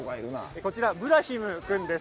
こちら、ブラヒム君です。